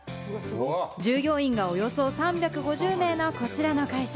従業員がおよそ３５０名のこちらの会社。